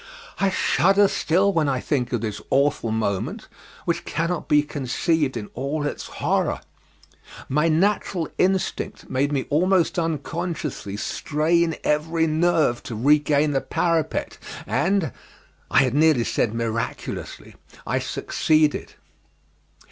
I shudder still when I think of this awful moment, which cannot be conceived in all its horror. My natural instinct made me almost unconsciously strain every nerve to regain the parapet, and I had nearly said miraculously I succeeded.